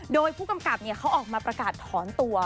โดยผู้กำกับเขาออกมาประกาศถอนตัว